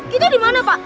kita dimana pak